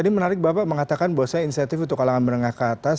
tadi menarik bapak mengatakan bahwasannya insentif untuk alaman menengah ke atas